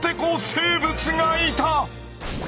生物がいた！